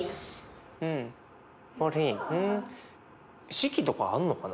四季とかあんのかな？